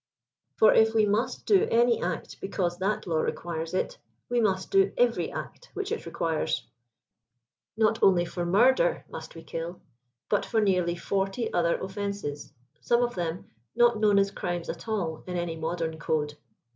For if we nmst do any act because that law requires it, we must do every act which it requires. Not only for murder must we kill, but for nearly forty other offenses, some of them not known as crimes at all in any modern code.